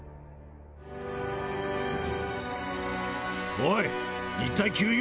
おい！